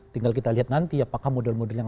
tinggal kita lihat nanti apakah model model yang